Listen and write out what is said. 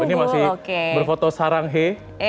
ini masih berfoto sarang he